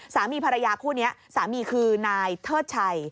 สามีภรรยาคู่นี้สามีคือนายเทิดชัย